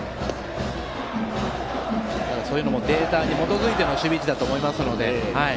ただ、そういうのもデータに基づいての守備だと思いますので。